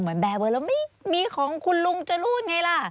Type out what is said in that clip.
แบร์เบอร์แล้วไม่มีของคุณลุงจรูนไงล่ะ